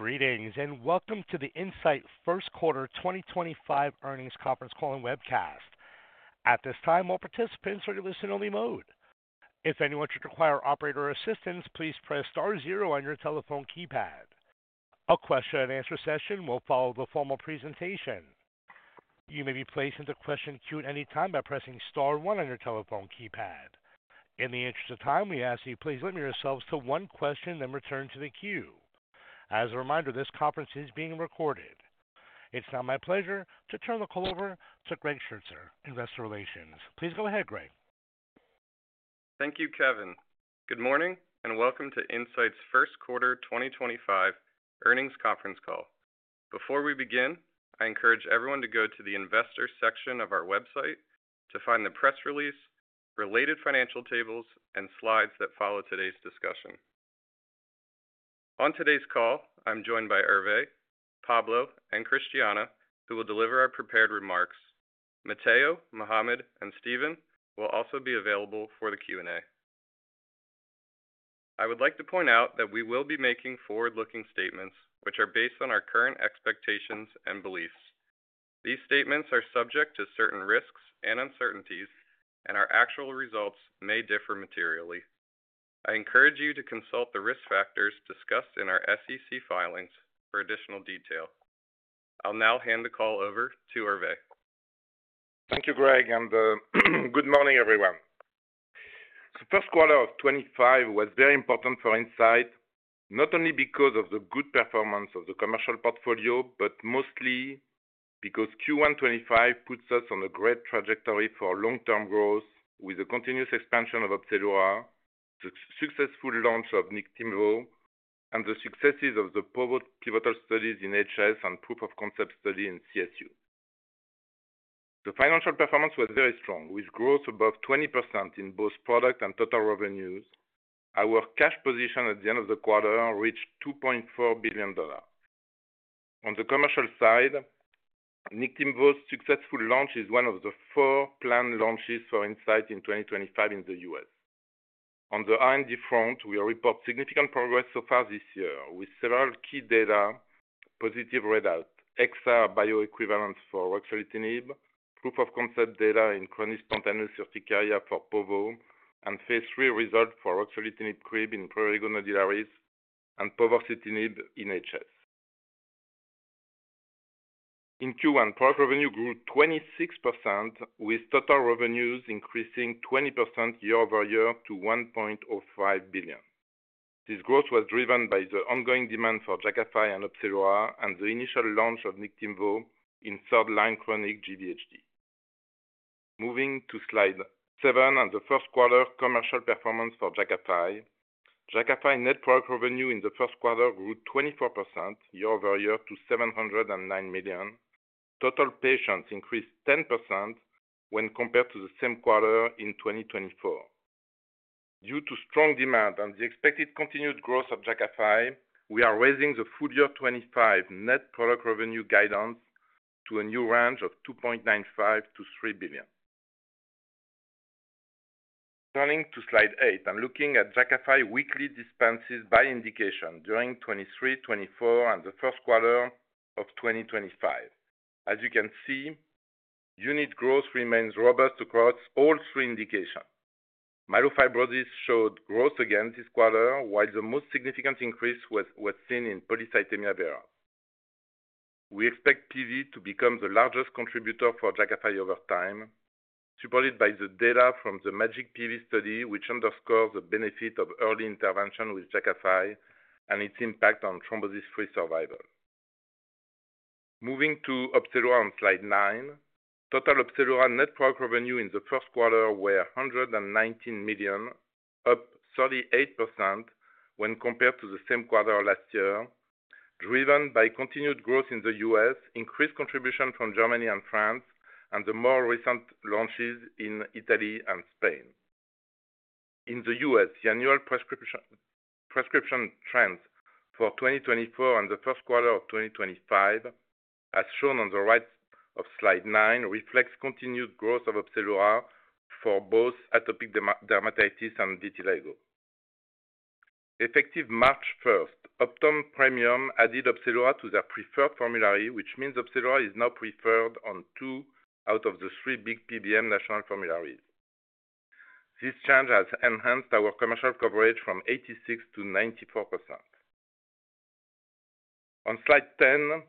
Greetings and welcome to the Incyte Q1 2025 Earnings Conference Call and Webcast. At this time, all participants are in listen-only mode. If anyone should require operator assistance, please press star zero on your telephone keypad. A question-and-answer session will follow the formal presentation. You may be placed into question queue at any time by pressing star one on your telephone keypad. In the interest of time, we ask that you please limit yourselves to one question and then return to the queue. As a reminder, this conference is being recorded. It's now my pleasure to turn the call over to Greg Shertzer, Investor Relations. Please go ahead, Greg. Thank you, Kevin. Good morning and welcome to Incyte's Q1 2025 Earnings Conference Call. Before we begin, I encourage everyone to go to the Investor section of our website to find the press release, related financial tables, and slides that follow today's discussion. On today's call, I'm joined by Hervé, Pablo, and Christiana, who will deliver our prepared remarks. Matteo, Mohamed, and Steven will also be available for the Q&A. I would like to point out that we will be making forward-looking statements, which are based on our current expectations and beliefs. These statements are subject to certain risks and uncertainties, and our actual results may differ materially. I encourage you to consult the risk factors discussed in our SEC filings for additional detail. I'll now hand the call over to Hervé. Thank you, Greg, and good morning, everyone. The Q1 of 2025 was very important for Incyte, not only because of the good performance of the commercial portfolio, but mostly because Q1 2025 puts us on a great trajectory for long-term growth with the continuous expansion of Opzelura, the successful launch of Niktimvo, and the successes of the pivotal studies in HS and proof of concept study in CSU. The financial performance was very strong, with growth above 20% in both product and total revenues. Our cash position at the end of the quarter reached $2.4 billion. On the commercial side, Niktimvo's successful launch is one of the four planned launches for Incyte in 2025 in the US. On the R&D front, we report significant progress so far this year, with several key data: positive readout XR bioequivalent for ruxolitinib, proof of concept data in chronic spontaneous urticaria for Povo, and phase three result for ruxolitinib cream in prurigo nodularis and Povorcitinib in HS. In Q1, product revenue grew 26%, with total revenues increasing 20% year-over-year to $1.05 billion. This growth was driven by the ongoing demand for Jakafi and Opzelura, and the initial launch of Niktimvo in third-line chronic GVHD. Moving to slide seven and the Q1 commercial performance for Jakafi, Jakafi net product revenue in the Q1 grew 24% year-over-year to $709 million. Total patients increased 10% when compared to the same quarter in 2024. Due to strong demand and the expected continued growth of Jakafi, we are raising the full year 2025 net product revenue guidance to a new range of $2.95 billion to 3 billion. Turning to slide eight and looking at Jakafi weekly dispenses by indication during 2023, 2024, and the Q1 of 2025, as you can see, unit growth remains robust across all three indications. Myelofibrosis showed growth again this quarter, while the most significant increase was seen in polycythemia vera. We expect PV to become the largest contributor for Jakafi over time, supported by the data from the MAJIC-PV study, which underscores the benefit of early intervention with Jakafi and its impact on thrombosis-free survival. Moving to Opzelura on slide nine, total Opzelura net product revenue in the Q1 was $119 million, up 38% when compared to the same quarter last year, driven by continued growth in the US, increased contribution from Germany and France, and the more recent launches in Italy and Spain. In the US, the annual prescription trends for 2024 and the Q1 of 2025, as shown on the right of slide nine, reflect continued growth of Opzelura for both atopic dermatitis and vitiligo. Effective March 1, Optum added Opzelura to their preferred formulary, which means Opzelura is now preferred on two out of the three big PBM national formularies. This change has enhanced our commercial coverage from 86% to 94%. On slide ten,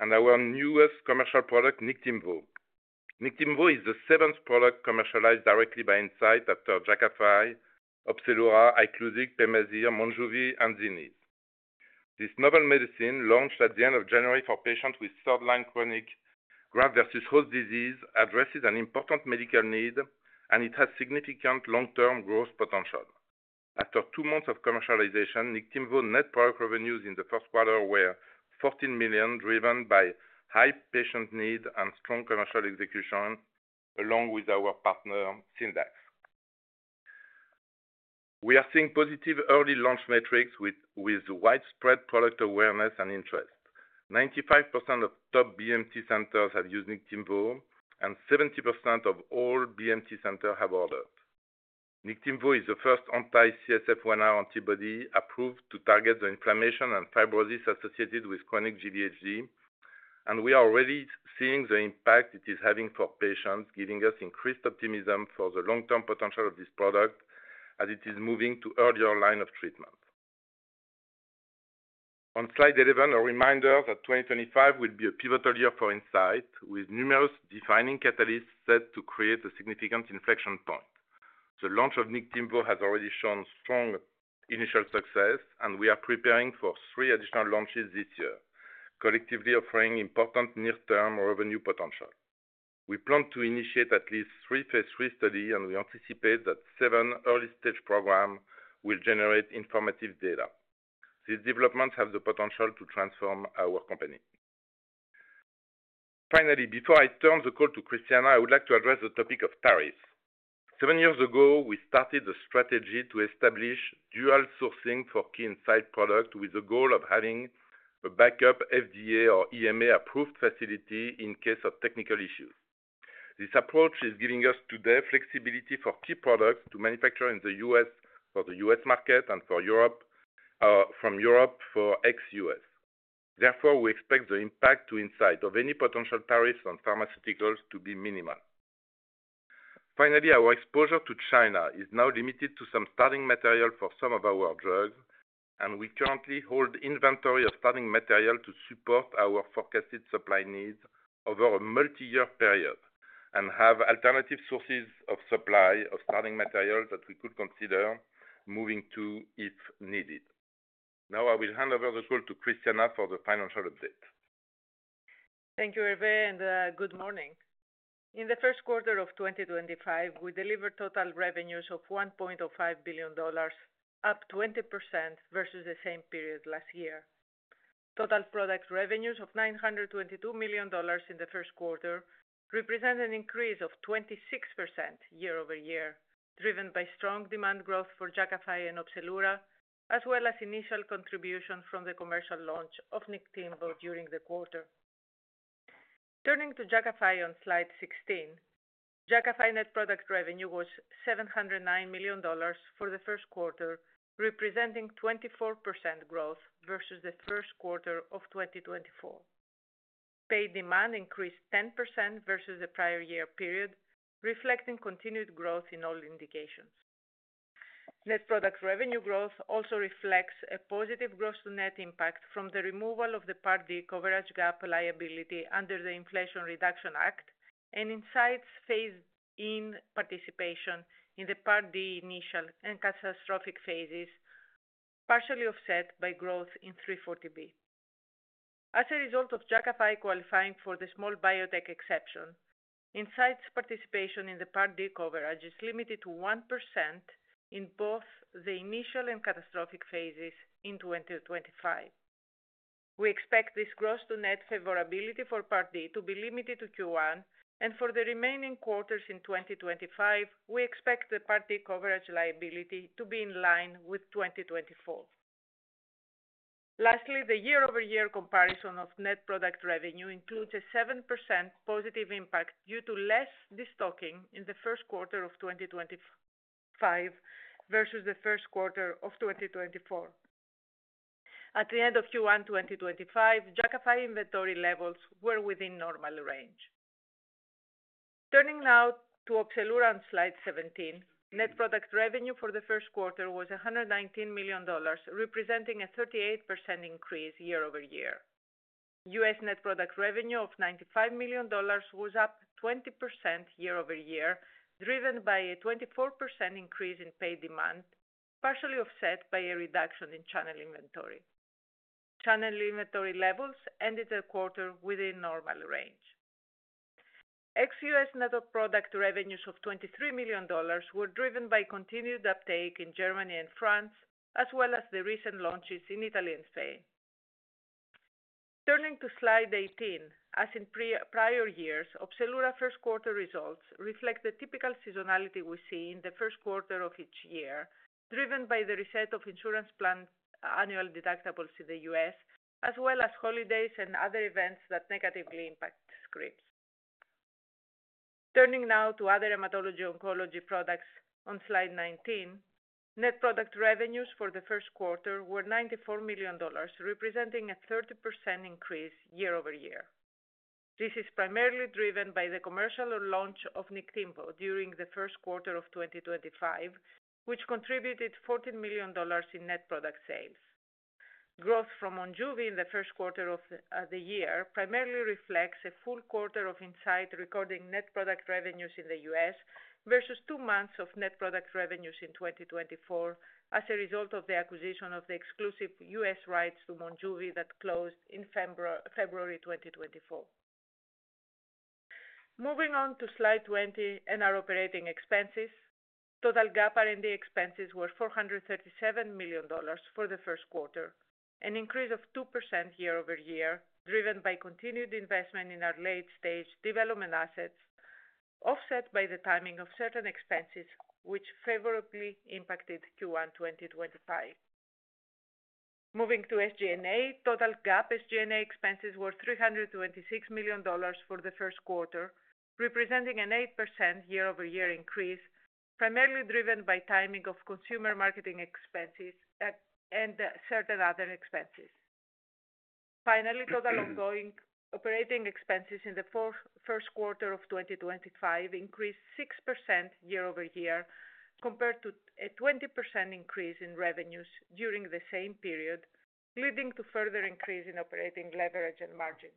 and our newest commercial product, Niktimvo. Niktimvo is the seventh product commercialized directly by Incyte after Jakafi, Opzelura, Iclusig, Pemazyre, Monjuvi, and Zynyz. This novel medicine, launched at the end of January for patients with third-line chronic graft versus host disease, addresses an important medical need, and it has significant long-term growth potential. After two months of commercialization, Niktimvo net product revenues in the Q1 were $14 million, driven by high patient need and strong commercial execution, along with our partner, Syndax. We are seeing positive early launch metrics with widespread product awareness and interest. 95% of top BMT centers have used Niktimvo, and 70% of all BMT centers have ordered. Niktimvo is the first anti-CSF1R antibody approved to target the inflammation and fibrosis associated with chronic GVHD, and we are already seeing the impact it is having for patients, giving us increased optimism for the long-term potential of this product as it is moving to earlier lines of treatment. On slide eleven, a reminder that 2025 will be a pivotal year for Incyte, with numerous defining catalysts set to create a significant inflection point. The launch of Niktimvo has already shown strong initial success, and we are preparing for three additional launches this year, collectively offering important near-term revenue potential. We plan to initiate at least three phase three studies, and we anticipate that seven early-stage programs will generate informative data. These developments have the potential to transform our company. Finally, before I turn the call to Christiana, I would like to address the topic of tariffs. Seven years ago, we started a strategy to establish dual sourcing for key Incyte products with the goal of having a backup FDA or EMA-approved facility in case of technical issues. This approach is giving us today flexibility for key products to manufacture in the US for the US market and from Europe for ex-US. Therefore, we expect the impact to Incyte of any potential tariffs on pharmaceuticals to be minimal. Finally, our exposure to China is now limited to some starting material for some of our drugs, and we currently hold inventory of starting material to support our forecasted supply needs over a multi-year period and have alternative sources of supply of starting material that we could consider moving to if needed. Now, I will hand over the call to Christiana for the financial update. Thank you, Hervé, and good morning. In the Q1 of 2025, we delivered total revenues of $1.05 billion, up 20% versus the same period last year. Total product revenues of $922 million in the Q1 represent an increase of 26% year-over-year, driven by strong demand growth for Jakafi and Opzelura, as well as initial contribution from the commercial launch of Niktimvo during the quarter. Turning to Jakafi on slide 16, Jakafi net product revenue was $709 million for the Q1, representing 24% growth versus the Q1 of 2024. Pay demand increased 10% versus the prior year period, reflecting continued growth in all indications. Net product revenue growth also reflects a positive gross-to-net impact from the removal of the Part D coverage gap liability under the Inflation Reduction Act, and Incyte's phased-in participation in the Part D initial and catastrophic phases, partially offset by growth in 340B. As a result of Jakafi qualifying for the small biotech exception, Incyte's participation in the Part D coverage is limited to 1% in both the initial and catastrophic phases in 2025. We expect this gross-to-net favorability for Part D to be limited to Q1, and for the remaining quarters in 2025, we expect the Part D coverage liability to be in line with 2024. Lastly, the year-over-year comparison of net product revenue includes a 7% positive impact due to less destocking in the Q1 of 2025 versus the Q1 of 2024. At the end of Q1 2025, Jakafi inventory levels were within normal range. Turning now to Opzelura on slide 17, net product revenue for the Q1 was $119 million, representing a 38% increase year-over-year. US net product revenue of $95 million was up 20% year-over-year, driven by a 24% increase in pay demand, partially offset by a reduction in channel inventory. Channel inventory levels ended the quarter within normal range. Ex-US net product revenues of $23 million were driven by continued uptake in Germany and France, as well as the recent launches in Italy and Spain. Turning to slide 18, as in prior years, Opzelura Q1 results reflect the typical seasonality we see in the Q1 of each year, driven by the reset of insurance plan annual deductibles in the US, as well as holidays and other events that negatively impact scripts. Turning now to other hematology-oncology products on slide 19, net product revenues for the Q1 were $94 million, representing a 30% increase year-over-year. This is primarily driven by the commercial launch of Niktimvo during the Q1 of 2024, which contributed $14 million in net product sales. Growth from Monjuvi in the Q1 of the year primarily reflects a full quarter of Incyte recording net product revenues in the US versus two months of net product revenues in 2023, as a result of the acquisition of the exclusive US rights to Monjuvi that closed in February 2023. Moving on to slide 20 and our operating expenses, total GAAP R&D expenses were $437 million for the Q1, an increase of 2% year-over-year, driven by continued investment in our late-stage development assets, offset by the timing of certain expenses, which favorably impacted Q1 2024. Moving to SG&A, total GAAP SG&A expenses were $326 million for the Q1, representing an 8% year-over-year increase, primarily driven by timing of consumer marketing expenses and certain other expenses. Finally, total ongoing operating expenses in the Q1 of 2025 increased 6% year-over-year, compared to a 20% increase in revenues during the same period, leading to further increase in operating leverage and margins.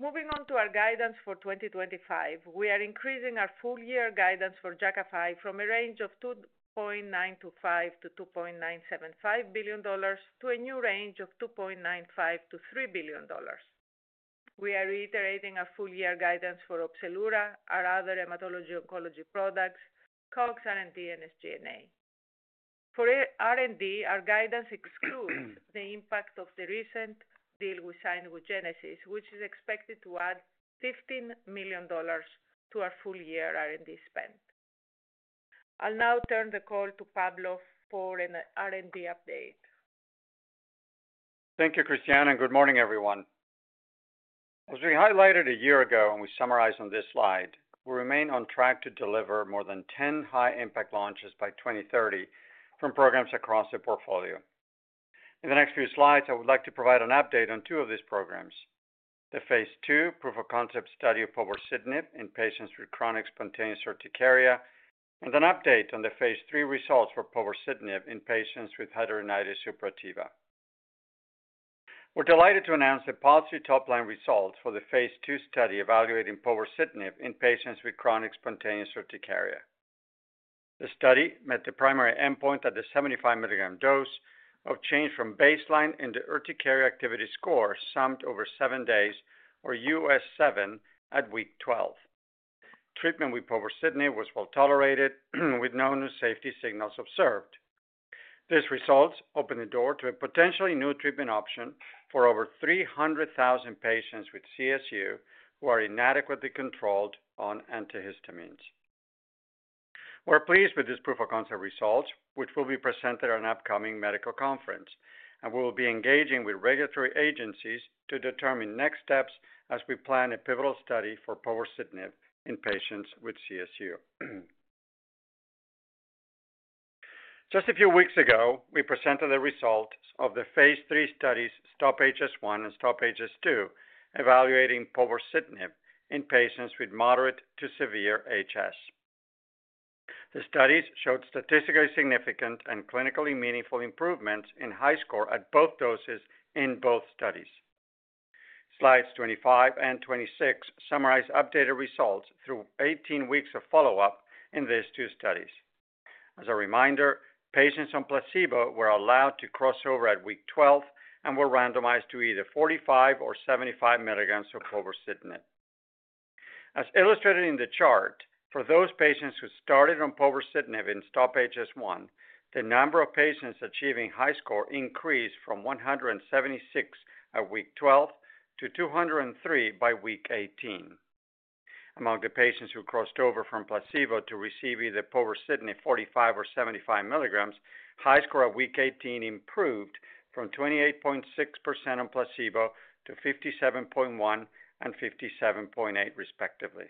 Moving on to our guidance for 2025, we are increasing our full year guidance for Jakafi from a range of $2.925 to 2.975 billion to a new range of $2.95 to 3 billion. We are reiterating our full year guidance for Opzelura, our other hematology-oncology products, COGS, R&D, and SG&A. For R&D, our guidance excludes the impact of the recent deal we signed with Genesis or similar or similar, which is expected to add $15 million to our full year R&D spend. I'll now turn the call to Pablo for an R&D update. Thank you, Christiana, and good morning, everyone. As we highlighted a year ago and we summarized on this slide, we remain on track to deliver more than 10 high-impact launches by 2030 from programs across the portfolio. In the next few slides, I would like to provide an update on two of these programs. The phase two proof-of-concept study of Povorcitinib in patients with chronic spontaneous urticaria, and an update on the phase three results for Povorcitinib in patients with hidradenitis suppurativa. We're delighted to announce the positive top-line results for the phase two study evaluating Povorcitinib in patients with chronic spontaneous urticaria. The study met the primary endpoint at the 75 mg dose of change from baseline in the urticaria activity score summed over seven days, or UAS7, at week 12. Treatment with Povorcitinib was well tolerated, with no new safety signals observed. These results open the door to a potentially new treatment option for over 300,000 patients with CSU who are inadequately controlled on antihistamines. We're pleased with these proof-of-concept results, which will be presented at an upcoming medical conference, and we will be engaging with regulatory agencies to determine next steps as we plan a pivotal study for Povorcitinib in patients with CSU. Just a few weeks ago, we presented the results of the phase three studies STOP-HS1 and STOP-HS2 evaluating Povorcitinib in patients with moderate to severe HS. The studies showed statistically significant and clinically meaningful improvements in high score at both doses in both studies. Slides 25 and 26 summarize updated results through 18 weeks of follow-up in these two studies. As a reminder, patients on placebo were allowed to crossover at week 12 and were randomized to either 45 or 75 milligrams of Povorcitinib. As illustrated in the chart, for those patients who started on Povorcitinib in STOP-HS1, the number of patients achieving high score increased from 176 at week 12 to 203 by week 18. Among the patients who crossed over from placebo to receive either Povorcitinib 45 or 75 milligrams, high score at week 18 improved from 28.6% on placebo to 57.1% and 57.8%, respectively.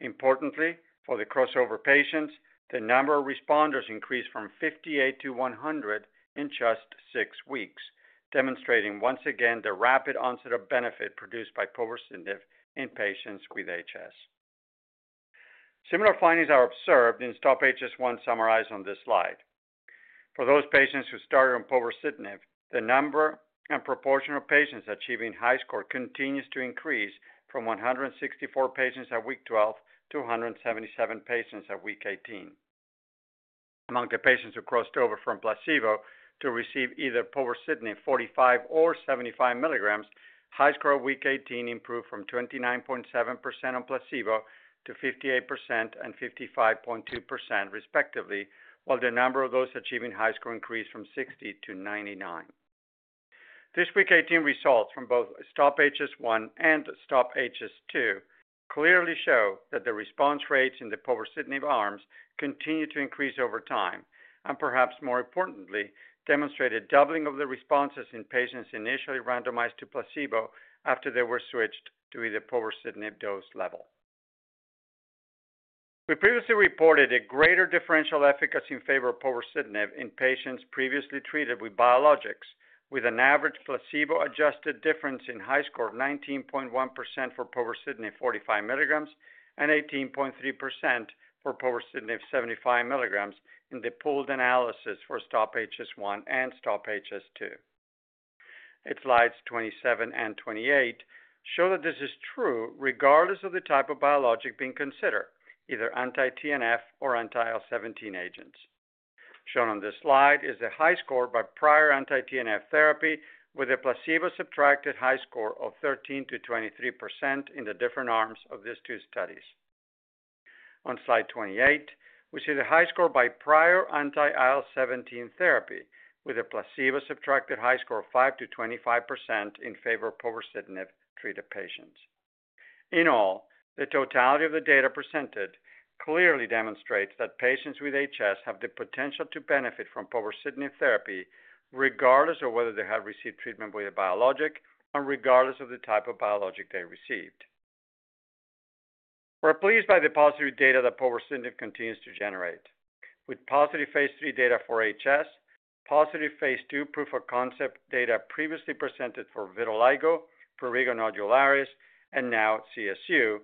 Importantly, for the crossover patients, the number of responders increased from 58 to 100 in just six weeks, demonstrating once again the rapid onset of benefit produced by Povorcitinib in patients with HS. Similar findings are observed in STOP-HS1 summarized on this slide. For those patients who started on Povorcitinib, the number and proportion of patients achieving high score continues to increase from 164 patients at week 12 to 177 patients at week 18. Among the patients who crossed over from placebo to receive either Povorcitinib 45 or 75 milligrams, high score at week 18 improved from 29.7% on placebo to 58% and 55.2%, respectively, while the number of those achieving high score increased from 60 to 99. This week 18 results from both STOP-HS1 and STOP-HS2 clearly show that the response rates in the Povorcitinib arms continue to increase over time and, perhaps more importantly, demonstrate a doubling of the responses in patients initially randomized to placebo after they were switched to either Povorcitinib dose level. We previously reported a greater differential efficacy in favor of Povorcitinib in patients previously treated with biologics, with an average placebo-adjusted difference in high score of 19.1% for Povorcitinib 45 milligrams and 18.3% for Povorcitinib 75 milligrams in the pooled analysis for STOP-HS1 and STOP-HS2. Its slides 27 and 28 show that this is true regardless of the type of biologic being considered, either anti-TNF or anti-IL-17 agents. Shown on this slide is a high score by prior anti-TNF therapy with a placebo-subtracted high score of 13% to 23% in the different arms of these two studies. On slide 28, we see the high score by prior anti-IL-17 therapy with a placebo-subtracted high score of 5% to 25% in favor of Povorcitinib-treated patients. In all, the totality of the data presented clearly demonstrates that patients with HS have the potential to benefit from Povorcitinib therapy regardless of whether they have received treatment with a biologic and regardless of the type of biologic they received. We're pleased by the positive data that Povorcitinib continues to generate. With positive phase three data for HS, positive phase two proof-of-concept data previously presented for vitiligo, prurigo nodularis, and now CSU,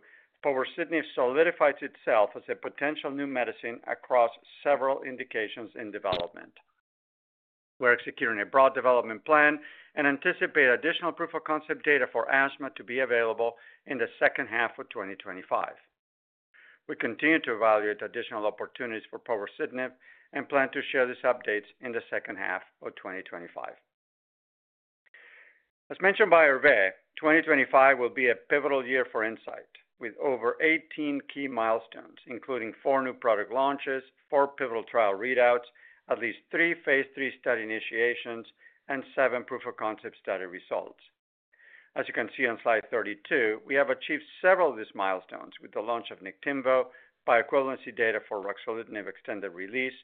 Povorcitinib solidifies itself as a potential new medicine across several indications in development. We're executing a broad development plan and anticipate additional proof-of-concept data for asthma to be available in the second half of 2025. We continue to evaluate additional opportunities for Povorcitinib and plan to share these updates in the second half of 2025. As mentioned by Hervé, 2025 will be a pivotal year for Incyte, with over 18 key milestones, including four new product launches, four pivotal trial readouts, at least three phase three study initiations, and seven proof-of-concept study results. As you can see on slide 32, we have achieved several of these milestones with the launch of Niktimvo, bioequivalency data for ruxolitinib extended release,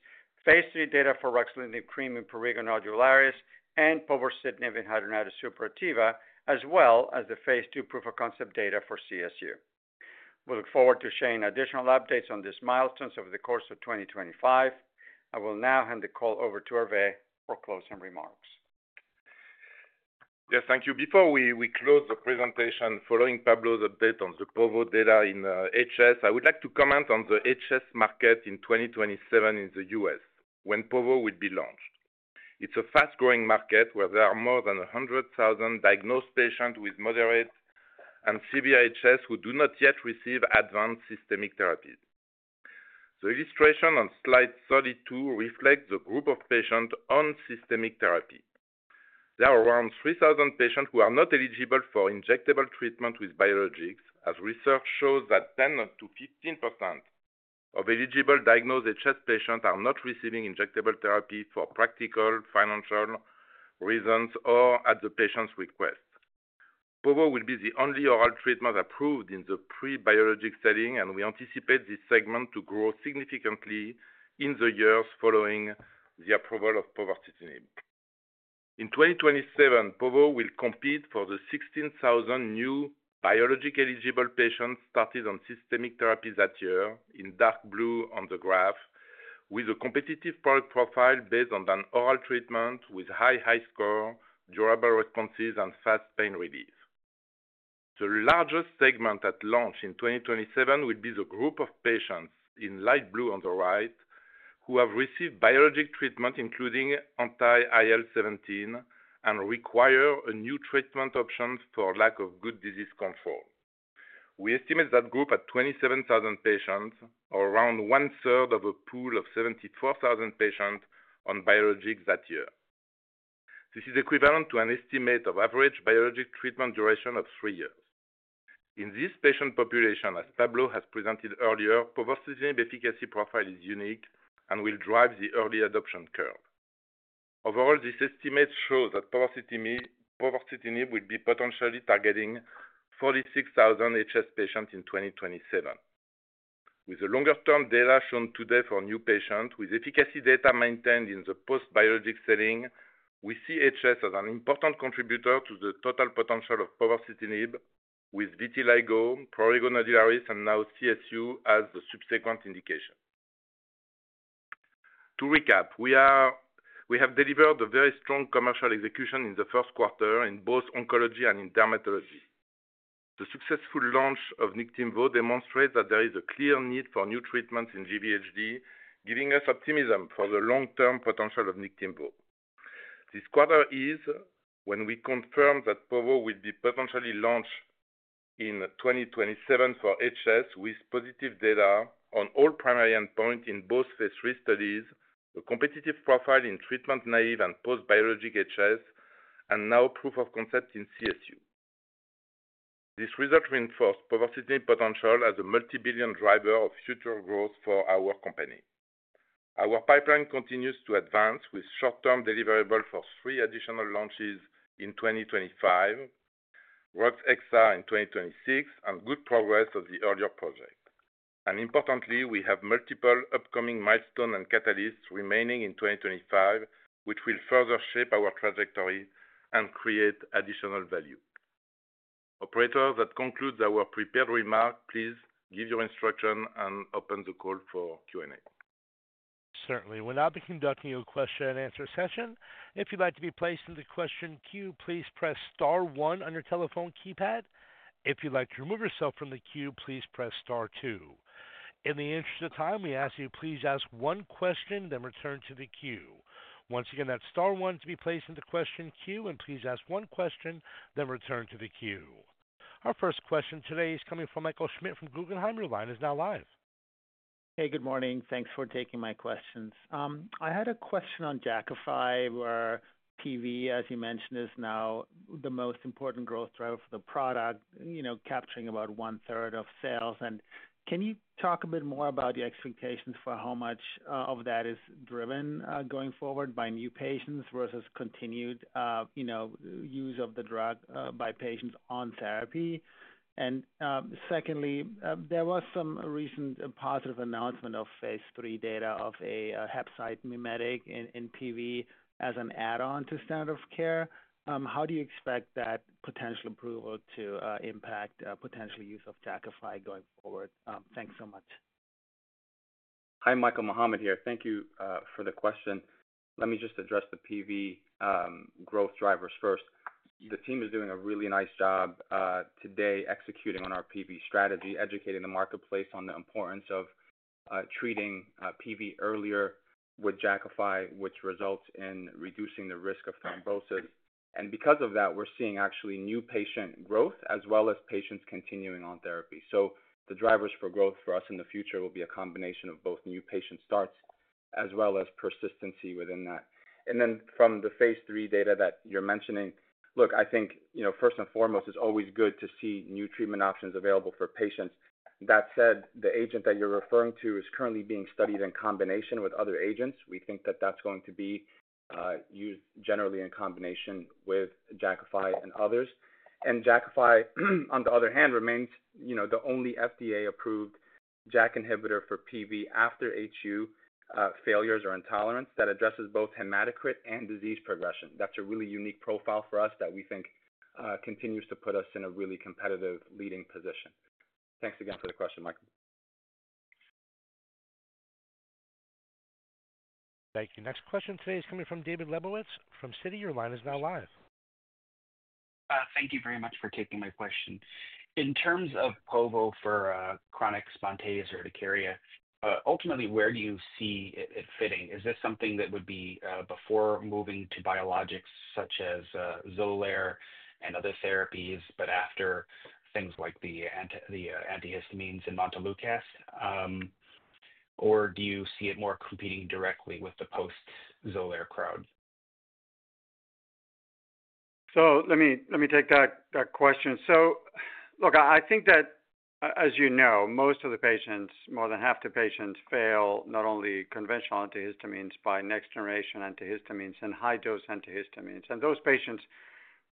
phase three data for ruxolitinib cream in prurigo nodularis, and Povorcitinib in hidradenitis suppurativa, as well as the phase two proof-of-concept data for CSU. We look forward to sharing additional updates on these milestones over the course of 2025. I will now hand the call over to Hervé for closing remarks. Yes, thank you. Before we close the presentation, following Pablo's update on the Povo data in HS, I would like to comment on the HS market in 2027 in the US when Povo will be launched. It's a fast-growing market where there are more than 100,000 diagnosed patients with moderate and severe HS who do not yet receive advanced systemic therapies. The illustration on slide 32 reflects the group of patients on systemic therapy. There are around 3,000 patients who are not eligible for injectable treatment with biologics, as research shows that 10% to 15% of eligible diagnosed HS patients are not receiving injectable therapy for practical, financial reasons or at the patient's request. Povo will be the only oral treatment approved in the pre-biologic setting, and we anticipate this segment to grow significantly in the years following the approval of Povorcitinib. In 2027, Povorcitinib will compete for the 16,000 new biologic-eligible patients started on systemic therapies that year, in dark blue on the graph, with a competitive product profile based on an oral treatment with high high score, durable responses, and fast pain relief. The largest segment at launch in 2027 will be the group of patients in light blue on the right who have received biologic treatment, including anti-IL-17, and require a new treatment option for lack of good disease control. We estimate that group at 27,000 patients, or around one-third of a pool of 74,000 patients on biologics that year. This is equivalent to an estimate of average biologic treatment duration of three years. In this patient population, as Pablo has presented earlier, Povorcitinib efficacy profile is unique and will drive the early adoption curve. Overall, this estimate shows that Povorcitinib will be potentially targeting 46,000 HS patients in 2027. With the longer-term data shown today for new patients, with efficacy data maintained in the post-biologic setting, we see HS as an important contributor to the total potential of Povorcitinib, with vitiligo, prurigo nodularis, and now CSU as the subsequent indication. To recap, we have delivered a very strong commercial execution in the Q1 in both oncology and in dermatology. The successful launch of Niktimvo demonstrates that there is a clear need for new treatments in GVHD, giving us optimism for the long-term potential of Niktimvo. This quarter is when we confirm that Povorcitinib will be potentially launched in 2027 for HS, with positive data on all primary endpoints in both phase 3 studies, a competitive profile in treatment-naive and post-biologic HS, and now proof-of-concept in CSU. This result reinforced Povorcitinib potential as a multi-billion driver of future growth for our company. Our pipeline continues to advance with short-term deliverables for three additional launches in 2025, Rux XR in 2026, and good progress of the earlier project. Importantly, we have multiple upcoming milestones and catalysts remaining in 2025, which will further shape our trajectory and create additional value. Operator, that concludes our prepared remark. Please give your instruction and open the call for Q&A. Certainly. We'll now be conducting a question-and-answer session. If you'd like to be placed in the question queue, please press star one on your telephone keypad. If you'd like to remove yourself from the queue, please press star two. In the interest of time, we ask you to please ask one question, then return to the queue. Once again, that's star one to be placed in the question queue, and please ask one question, then return to the queue. Our first question today is coming from Michael Schmidt from Guggenheim. Your line is now live. Hey, good morning. Thanks for taking my questions. I had a question on Jakafi, where PV, as you mentioned, is now the most important growth driver for the product, capturing about one-third of sales. Can you talk a bit more about your expectations for how much of that is driven going forward by new patients versus continued use of the drug by patients on therapy? Secondly, there was some recent positive announcement of phase three data of a hepcidin mimetic in PV as an add-on to standard of care. How do you expect that potential approval to impact potential use of Jakafi going forward? Thanks so much. Hi, Mohamed here. Thank you for the question. Let me just address the PV growth drivers first. The team is doing a really nice job today executing on our PV strategy, educating the marketplace on the importance of treating PV earlier with Jakafi, which results in reducing the risk of thrombosis. Because of that, we're seeing actually new patient growth as well as patients continuing on therapy. The drivers for growth for us in the future will be a combination of both new patient starts as well as persistency within that. From the phase three data that you're mentioning, look, I think first and foremost, it's always good to see new treatment options available for patients. That said, the agent that you're referring to is currently being studied in combination with other agents. We think that that's going to be used generally in combination with Jakafi and others. Jakafi, on the other hand, remains the only FDA-approved JAK inhibitor for PV after HU failures or intolerance that addresses both hematocrit and disease progression. That's a really unique profile for us that we think continues to put us in a really competitive leading position. Thanks again for the question, Michael. Thank you. Next question today is coming from David Lebowitz from Citi. Your line is now live. Thank you very much for taking my question. In terms of Povorcitinib for chronic spontaneous urticaria, ultimately, where do you see it fitting? Is this something that would be before moving to biologics such as Xolair and other therapies, but after things like the antihistamines and montelukast? Or do you see it more competing directly with the post-Xolair crowd? Let me take that question. I think that, as you know, most of the patients, more than half the patients, fail not only conventional antihistamines but next-generation antihistamines and high-dose antihistamines. Those patients,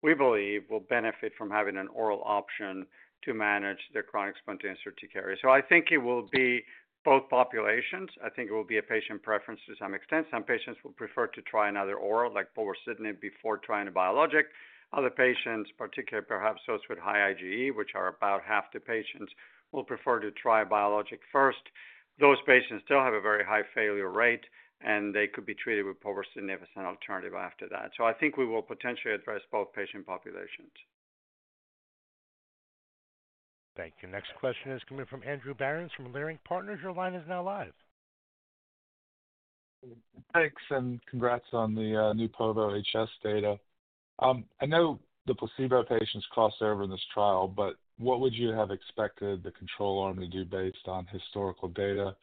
we believe, will benefit from having an oral option to manage their chronic spontaneous urticaria. I think it will be both populations. I think it will be a patient preference to some extent. Some patients will prefer to try another oral, like Povorcitinib, before trying a biologic. Other patients, particularly perhaps those with high IGE, which are about half the patients, will prefer to try a biologic first. Those patients still have a very high failure rate, and they could be treated with Povorcitinib as an alternative after that. I think we will potentially address both patient populations. Thank you. Next question is coming from Andrew Berens from Leerink Partners. Your line is now live. Thanks, and congrats on the new Povo HS data. I know the placebo patients crossed over in this trial, but what would you have expected the control arm to do based on historical data?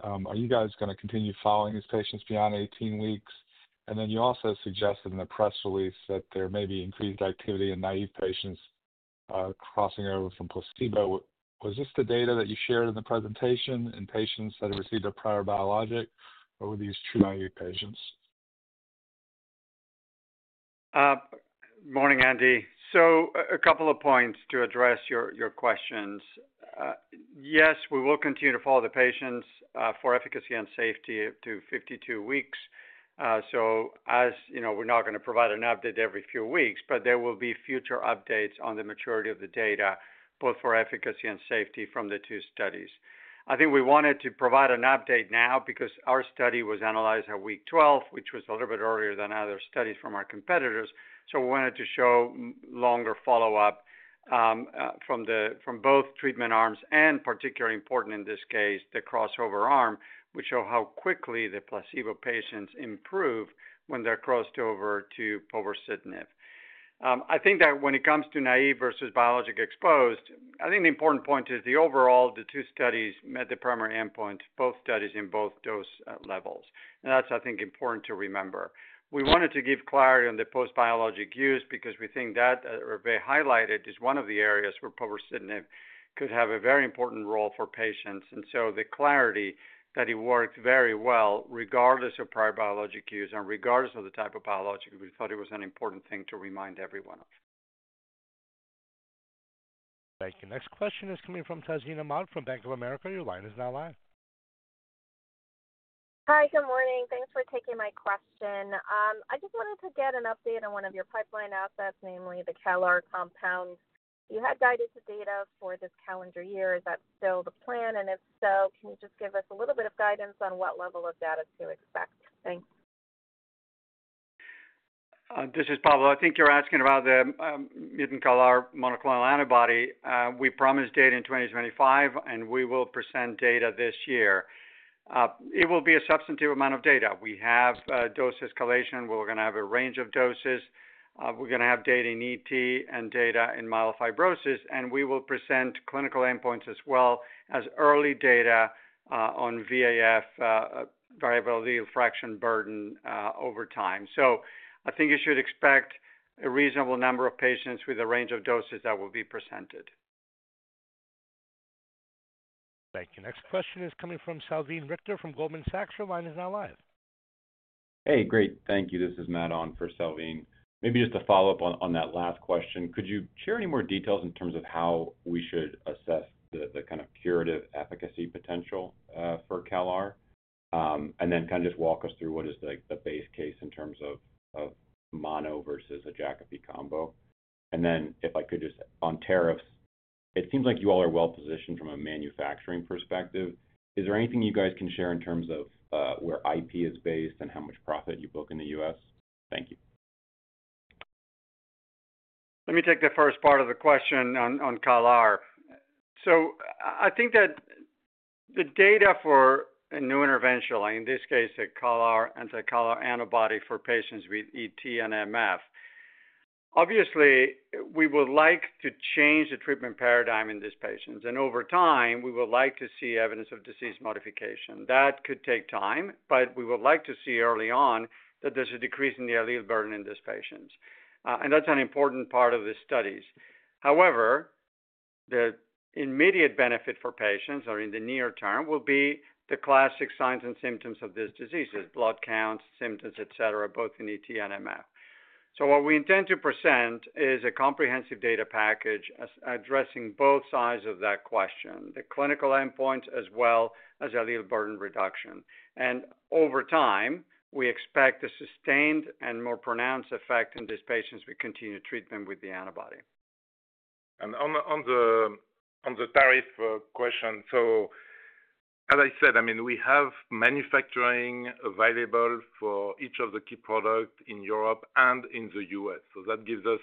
Are you guys going to continue following these patients beyond 18 weeks? You also suggested in the press release that there may be increased activity in naive patients crossing over from placebo. Was this the data that you shared in the presentation in patients that had received a prior biologic, or were these true naive patients? Morning, Andy. A couple of points to address your questions. Yes, we will continue to follow the patients for efficacy and safety up to 52 weeks. We are not going to provide an update every few weeks, but there will be future updates on the maturity of the data, both for efficacy and safety from the two studies. I think we wanted to provide an update now because our study was analyzed at week 12, which was a little bit earlier than other studies from our competitors. We wanted to show longer follow-up from both treatment arms and, particularly important in this case, the crossover arm, which shows how quickly the placebo patients improve when they are crossed over to Povorcitinib. I think that when it comes to naive versus biologic exposed, I think the important point is the overall, the two studies met the primary endpoint, both studies in both dose levels. That is, I think, important to remember. We wanted to give clarity on the post-biologic use because we think that, as Hervé highlighted, is one of the areas where Povorcitinib could have a very important role for patients. The clarity that it worked very well regardless of prior biologic use and regardless of the type of biologic, we thought it was an important thing to remind everyone of. Thank you. Next question is coming from Tazeen Ahmad from Bank of America. Your line is now live. Hi, good morning. Thanks for taking my question. I just wanted to get an update on one of your pipeline assets, namely the mCALR compound. You had guided data for this calendar year. Is that still the plan? If so, can you just give us a little bit of guidance on what level of data to expect? Thanks. This is Pablo. I think you're asking about the mutant mCALR monoclonal antibody. We promised data in 2025, and we will present data this year. It will be a substantive amount of data. We have dose escalation. We're going to have a range of doses. We're going to have data in ET and data in myelofibrosis. We will present clinical endpoints as well as early data on VAF, variant allele fraction burden, over time. I think you should expect a reasonable number of patients with a range of doses that will be presented. Thank you. Next question is coming from Salveen Richter from Goldman Sachs. Your line is now live. Hey, great. Thank you. This is Matt on for Salveen. Maybe just a follow-up on that last question. Could you share any more details in terms of how we should assess the kind of curative efficacy potential for mCALR? And then kind of just walk us through what is the base case in terms of mono versus a Jakafi combo. If I could just on tariffs, it seems like you all are well-positioned from a manufacturing perspective. Is there anything you guys can share in terms of where IP is based and how much profit you book in the US? Thank you. Let me take the first part of the question on mCALR. I think that the data for a new intervention, in this case, a mCALR anti-mCALR antibody for patients with ET and MF, obviously, we would like to change the treatment paradigm in these patients. Over time, we would like to see evidence of disease modification. That could take time, but we would like to see early on that there's a decrease in the allele burden in these patients. That's an important part of the studies. However, the immediate benefit for patients, or in the near term, will be the classic signs and symptoms of this disease, as blood counts, symptoms, etc., both in ET and MF. What we intend to present is a comprehensive data package addressing both sides of that question, the clinical endpoints as well as allele burden reduction. Over time, we expect a sustained and more pronounced effect in these patients with continued treatment with the antibody. On the tariff question, as I said, I mean, we have manufacturing available for each of the key products in Europe and in the US. That gives us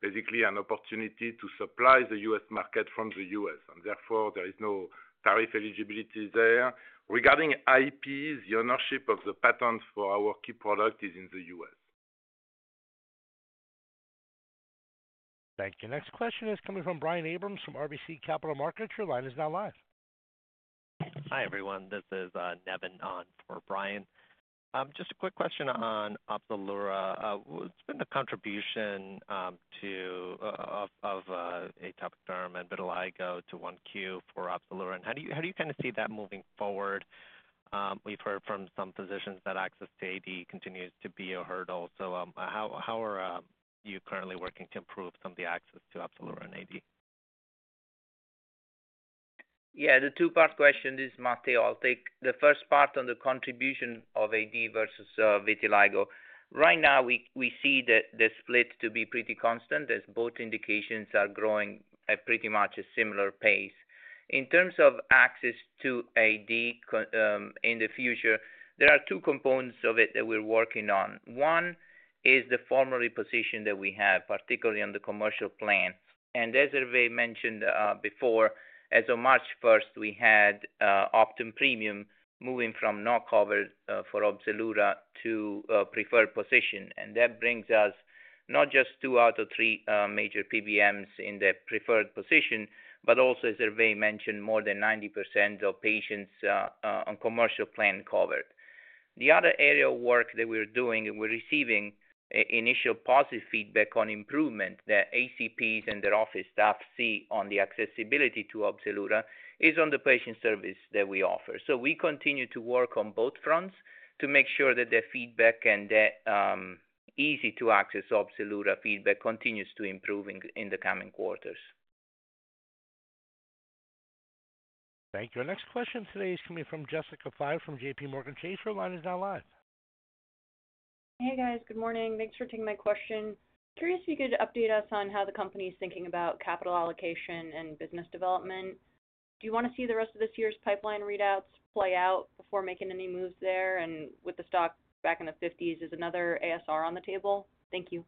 basically an opportunity to supply the US market from the US. Therefore, there is no tariff eligibility there. Regarding IPs, the ownership of the patents for our key product is in the US. Thank you. Next question is coming from Brian Abrahams from RBC Capital Markets. Your line is now live. Hi, everyone. This is Nevin on for Brian. Just a quick question on Opzelura. What's been the contribution of atopic derm and vitiligo to Q1 for Opzelura? How do you kind of see that moving forward? We've heard from some physicians that access to AD continues to be a hurdle. How are you currently working to improve some of the access to Opzelura and AD? Yeah, the two-part question is multiauthentic. The first part on the contribution of AD versus vitiligo. Right now, we see the split to be pretty constant as both indications are growing at pretty much a similar pace. In terms of access to AD in the future, there are two components of it that we're working on. One is the formulary position that we have, particularly on the commercial plan. As Hervé mentioned before, as of March 1, we had Optum Premium moving from not covered for Opzelura to preferred position. That brings us not just two out of three major PBMs in the preferred position, but also, as Hervé mentioned, more than 90% of patients on commercial plan covered. The other area of work that we're doing, and we're receiving initial positive feedback on improvement that ACPs and their office staff see on the accessibility to Opzelura is on the patient service that we offer. We continue to work on both fronts to make sure that the feedback and the easy-to-access Opzelura feedback continues to improve in the coming quarters. Thank you. Our next question today is coming from Jessica Fye from J.P. Morgan Chase. Her line is now live. Hey, guys. Good morning. Thanks for taking my question. Curious if you could update us on how the company is thinking about capital allocation and business development. Do you want to see the rest of this year's pipeline readouts play out before making any moves there? With the stock back in the 50s, is another ASR on the table? Thank you.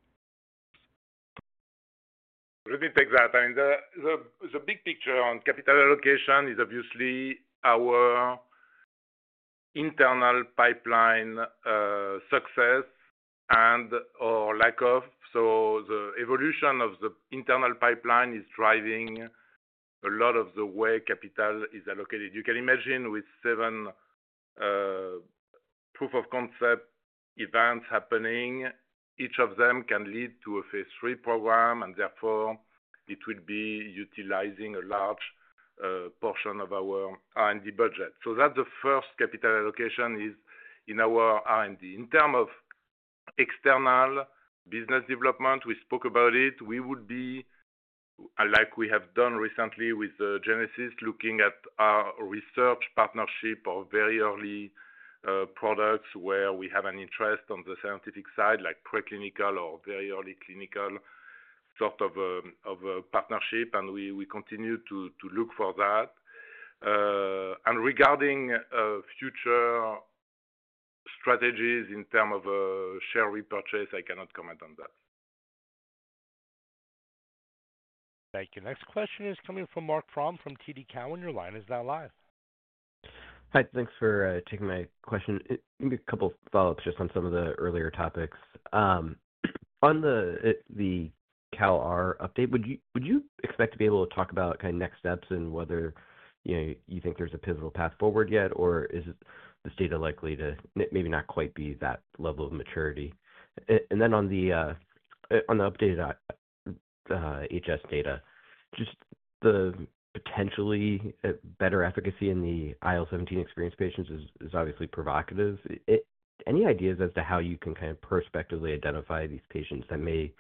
Let me take that. I mean, the big picture on capital allocation is obviously our internal pipeline success and/or lack of. The evolution of the internal pipeline is driving a lot of the way capital is allocated. You can imagine with seven proof-of-concept events happening, each of them can lead to a phase three program, and therefore, it will be utilizing a large portion of our R&D budget. That is the first capital allocation in our R&D. In terms of external business development, we spoke about it. We would be, like we have done recently with Genesis or similar, looking at our research partnership of very early products where we have an interest on the scientific side, like preclinical or very early clinical sort of a partnership. We continue to look for that. Regarding future strategies in terms of share repurchase, I cannot comment on that. Thank you. Next question is coming from Marc Frahm from TD Cowen. Your line is now live. Hi. Thanks for taking my question. A couple of follow-ups just on some of the earlier topics. On the mCALR update, would you expect to be able to talk about kind of next steps and whether you think there's a pivotal path forward yet, or is this data likely to maybe not quite be that level of maturity? On the updated HS data, just the potentially better efficacy in the IL-17 experienced patients is obviously provocative. Any ideas as to how you can kind of prospectively identify these patients that may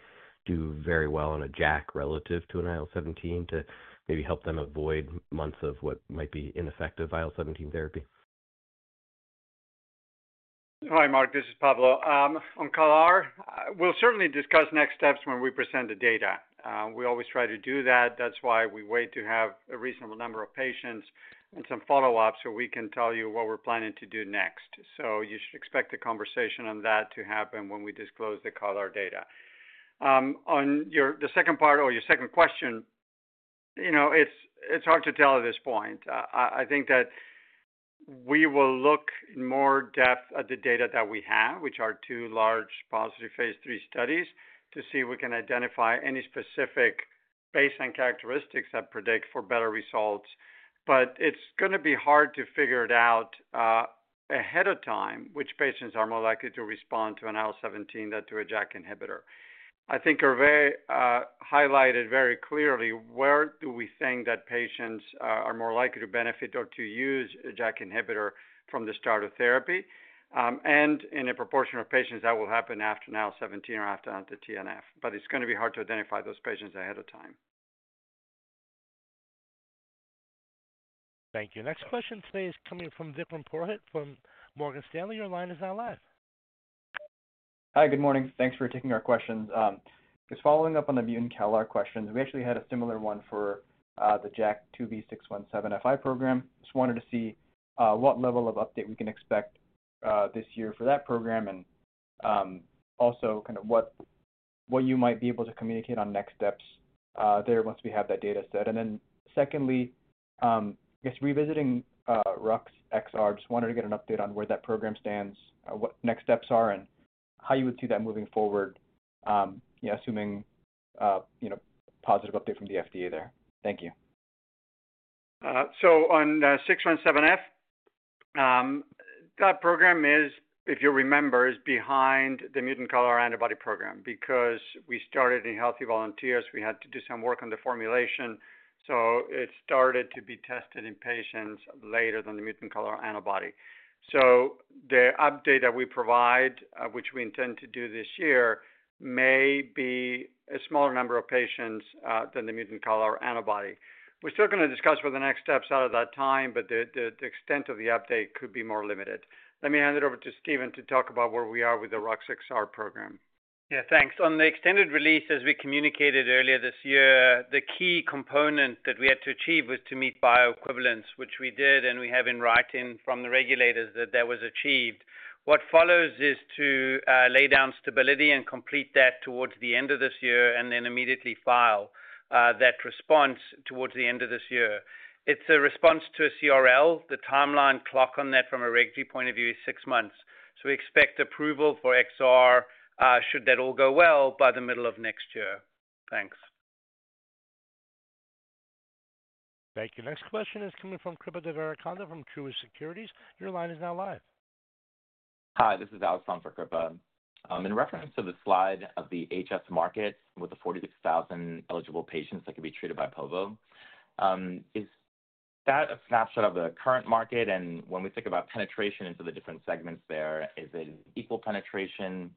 do very well on a JAK relative to an IL-17 to maybe help them avoid months of what might be ineffective IL-17 therapy? Hi, Marc. This is Pablo. On mCALR, we'll certainly discuss next steps when we present the data. We always try to do that. That's why we wait to have a reasonable number of patients and some follow-ups so we can tell you what we're planning to do next. You should expect a conversation on that to happen when we disclose the mCALR data. On the second part or your second question, it's hard to tell at this point. I think that we will look in more depth at the data that we have, which are two large positive phase 3 studies, to see if we can identify any specific baseline characteristics that predict for better results. It's going to be hard to figure it out ahead of time which patients are more likely to respond to an IL-17 than to a JAK inhibitor. I think Hervé highlighted very clearly where do we think that patients are more likely to benefit or to use a JAK inhibitor from the start of therapy. In a proportion of patients, that will happen after an IL-17 or after the TNF. It is going to be hard to identify those patients ahead of time. Thank you. Next question today is coming from Judah Frommer from Morgan Stanley. Your line is now live. Hi, good morning. Thanks for taking our questions. Just following up on the mutant mCALR questions, we actually had a similar one for the JAK2V617F program. Just wanted to see what level of update we can expect this year for that program and also kind of what you might be able to communicate on next steps there once we have that data set. Secondly, I guess revisiting Ruxolitinib Extended Release, just wanted to get an update on where that program stands, what next steps are, and how you would see that moving forward, assuming positive update from the FDA there. Thank you. On 617F, that program is, if you remember, is behind the mutant mCALR antibody program because we started in healthy volunteers. We had to do some work on the formulation. It started to be tested in patients later than the mutant mCALR antibody. The update that we provide, which we intend to do this year, may be a smaller number of patients than the mutant mCALR antibody. We're still going to discuss what the next steps are at that time, but the extent of the update could be more limited. Let me hand it over to Steven to talk about where we are with the RUX XR program. Yeah, thanks. On the extended release, as we communicated earlier this year, the key component that we had to achieve was to meet bioequivalence, which we did, and we have in writing from the regulators that that was achieved. What follows is to lay down stability and complete that towards the end of this year and then immediately file that response towards the end of this year. It's a response to a CRL. The timeline clock on that from a regulatory point of view is six months. We expect approval for XR, should that all go well, by the middle of next year. Thanks. Thank you. Next question is coming from Kripa Devarakonda from Truist Securities. Your line is now live. Hi, this is Alex from Kripa. In reference to the slide of the HS market with the 46,000 eligible patients that could be treated by Povo, is that a snapshot of the current market? When we think about penetration into the different segments there, is it equal penetration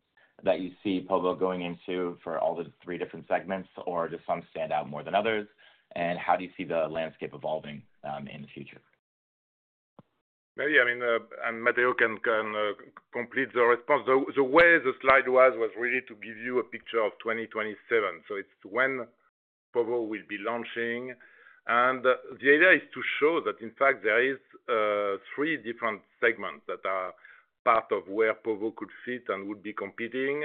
that you see Povo going into for all the three different segments, or do some stand out more than others? How do you see the landscape evolving in the future? Yeah, I mean, and Matteo can complete the response. The way the slide was was really to give you a picture of 2027. It is when Povo will be launching. The idea is to show that, in fact, there are three different segments that are part of where Povo could fit and would be competing.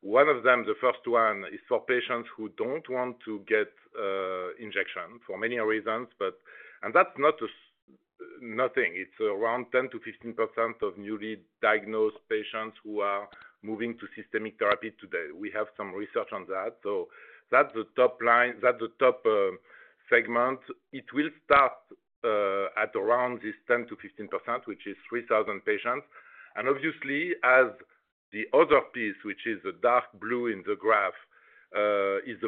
One of them, the first one, is for patients who do not want to get injection for many reasons. That is not nothing. It is around 10-15% of newly diagnosed patients who are moving to systemic therapy today. We have some research on that. That is the top segment. It will start at around this 10-15%, which is 3,000 patients. Obviously, as the other piece, which is the dark blue in the graph, is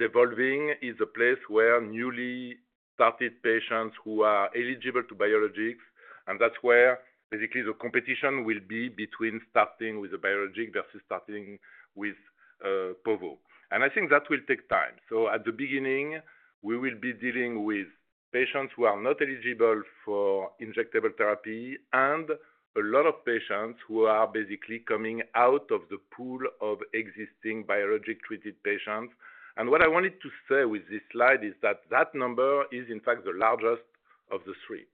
evolving, it is a place where newly started patients who are eligible to biologics. That is where basically the competition will be between starting with a biologic versus starting with Povo. I think that will take time. At the beginning, we will be dealing with patients who are not eligible for injectable therapy and a lot of patients who are basically coming out of the pool of existing biologic-treated patients. What I wanted to say with this slide is that that number is, in fact, the largest of the three.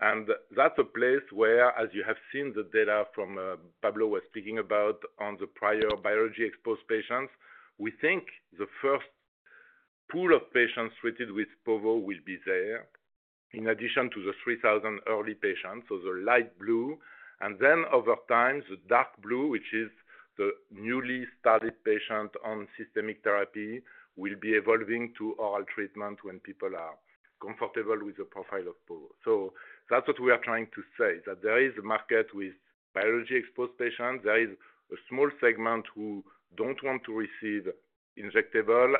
That is a place where, as you have seen the data from Pablo was speaking about on the prior biologic-exposed patients, we think the first pool of patients treated with Povo will be there in addition to the 3,000 early patients, so the light blue. Over time, the dark blue, which is the newly started patient on systemic therapy, will be evolving to oral treatment when people are comfortable with the profile of Povo. That is what we are trying to say, that there is a market with biology-exposed patients. There is a small segment who do not want to receive injectable.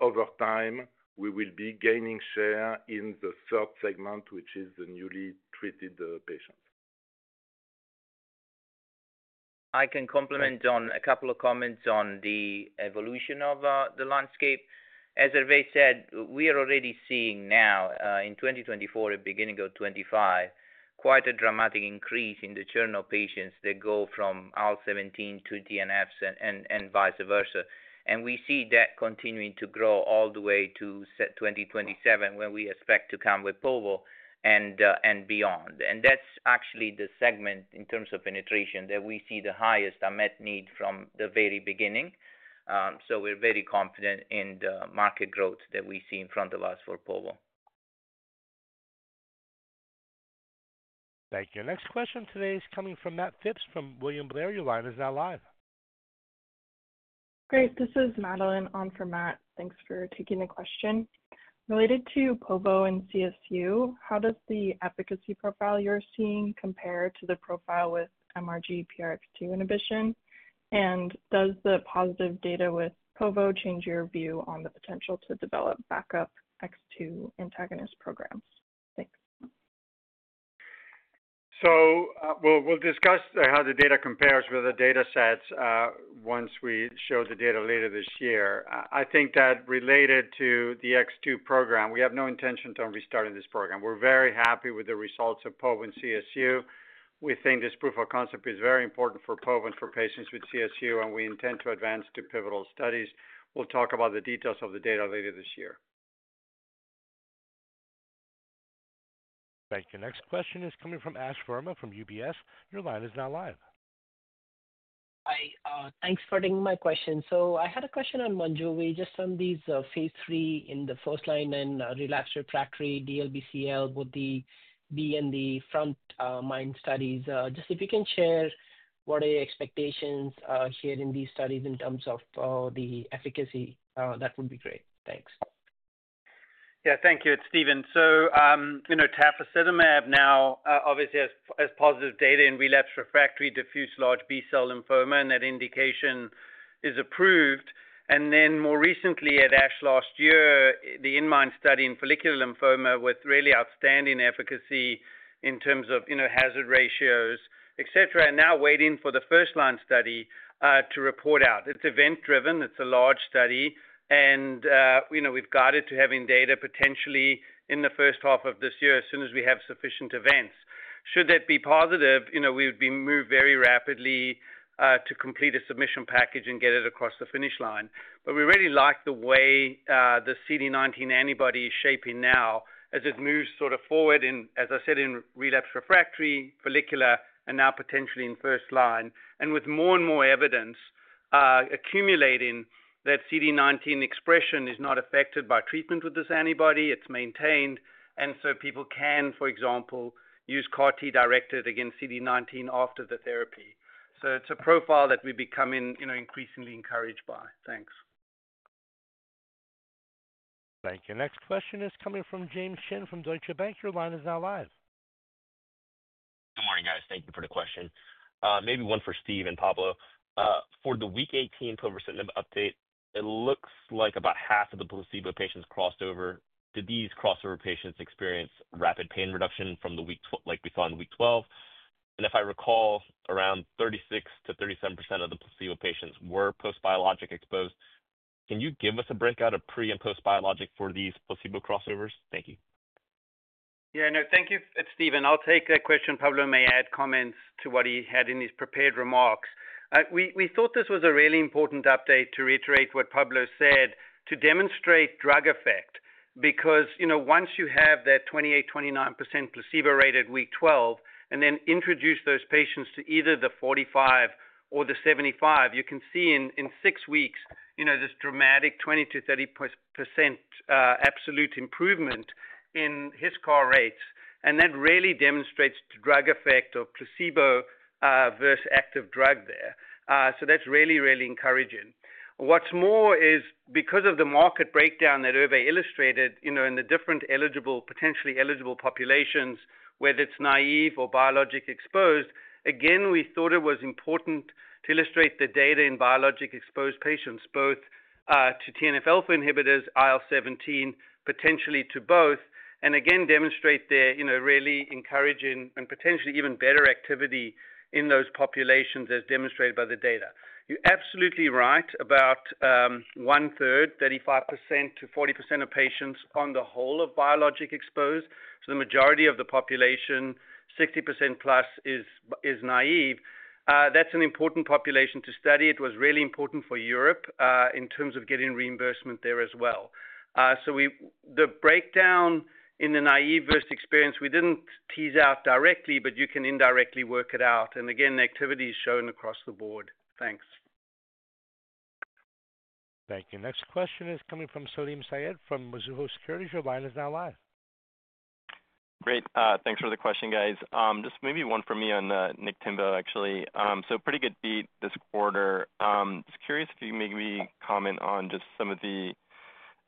Over time, we will be gaining share in the third segment, which is the newly treated patients. I can complement on a couple of comments on the evolution of the landscape. As Hervé said, we are already seeing now in 2024, at the beginning of 2025, quite a dramatic increase in the churn of patients that go from IL-17 to TNFs and vice versa. We see that continuing to grow all the way to 2027, where we expect to come with Povo and beyond. That is actually the segment in terms of penetration that we see the highest unmet need from the very beginning. We are very confident in the market growth that we see in front of us for Povo. Thank you. Next question today is coming from Matt Phipps from William Blair. Your line is now live. Great. This is Madeline on for Matt. Thanks for taking the question. Related to Povo and CSU, how does the efficacy profile you're seeing compare to the profile with MRGPRX2 inhibition? Does the positive data with Povo change your view on the potential to develop backup X2 antagonist programs? Thanks. We will discuss how the data compares with the data sets once we show the data later this year. I think that related to the X2 program, we have no intention of restarting this program. We are very happy with the results of Povo and CSU. We think this proof-of-concept is very important for Povo and for patients with CSU, and we intend to advance to pivotal studies. We will talk about the details of the data later this year. Thank you. Next question is coming from Ash Verma from UBS. Your line is now live. Hi. Thanks for taking my question. I had a question on Monjuvi. We just found these phase three in the first line and relapsed refractory DLBCL would be in the frontMIND studies. Just if you can share what are your expectations here in these studies in terms of the efficacy, that would be great. Thanks. Yeah, thank you. It's Steven. Tafositamab now obviously has positive data in relapse refractory diffuse large B-cell lymphoma, and that indication is approved. More recently at ASH last year, the inMIND study in follicular lymphoma with really outstanding efficacy in terms of hazard ratios, etc., and now waiting for the first line study to report out. It's event-driven. It's a large study. We've guided to having data potentially in the first half of this year as soon as we have sufficient events. Should that be positive, we would be moved very rapidly to complete a submission package and get it across the finish line. We really like the way the CD19 antibody is shaping now as it moves sort of forward, as I said, in relapse refractory, follicular, and now potentially in first line. With more and more evidence accumulating, that CD19 expression is not affected by treatment with this antibody. It's maintained. People can, for example, use CAR-T directed against CD19 after the therapy. It's a profile that we become increasingly encouraged by. Thanks. Thank you. Next question is coming from James Lee from Deutsche Bank. Your line is now live. Good morning, guys. Thank you for the question. Maybe one for Steve and Pablo. For the week 18 Povorcitinib update, it looks like about half of the placebo patients crossed over. Did these crossover patients experience rapid pain reduction from the week like we saw in week 12? If I recall, around 36-37% of the placebo patients were post-biologic exposed. Can you give us a breakout of pre and post-biologic for these placebo crossovers? Thank you. Yeah, no, thank you. It's Steven. I'll take that question. Pablo may add comments to what he had in his prepared remarks. We thought this was a really important update to reiterate what Pablo said to demonstrate drug effect because once you have that 28% to 29% placebo rate at week 12 and then introduce those patients to either the 45 or the 75, you can see in six weeks this dramatic 20% to 30% absolute improvement in his CAR rates. That really demonstrates the drug effect of placebo versus active drug there. That's really, really encouraging. What's more is because of the market breakdown that Hervé illustrated in the different potentially eligible populations, whether it's naive or biologic exposed, again, we thought it was important to illustrate the data in biologic-exposed patients, both to TNF alpha inhibitors, IL-17, potentially to both, and again, demonstrate the really encouraging and potentially even better activity in those populations as demonstrated by the data. You're absolutely right about one-third, 35% to 40% of patients on the whole are biologic exposed. The majority of the population, 60% plus, is naive. That's an important population to study. It was really important for Europe in terms of getting reimbursement there as well. The breakdown in the naive versus experience, we didn't tease out directly, but you can indirectly work it out. Again, the activity is shown across the board. Thanks. Thank you. Next question is coming from Salim Syed from Mizuho Securities. Your line is now live. Great. Thanks for the question, guys. Just maybe one from me on Niktimvo, actually. Pretty good beat this quarter. Just curious if you can maybe comment on just some of the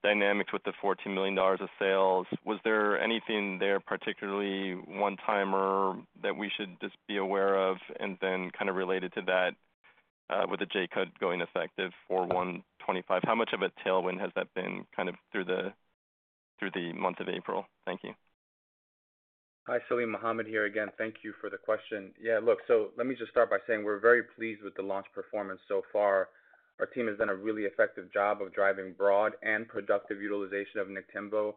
dynamics with the $14 million of sales. Was there anything there particularly one-timer that we should just be aware of? Kind of related to that with the J-code going effective for 1/25, how much of a tailwind has that been kind of through the month of April? Thank you. Hi, Salim, Mohammed here again. Thank you for the question. Yeah, look, let me just start by saying we're very pleased with the launch performance so far. Our team has done a really effective job of driving broad and productive utilization of Niktimvo.